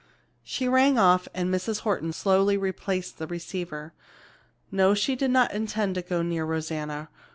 She rang off and Mrs. Horton slowly replaced the receiver. No, she did not intend to go near Rosanna.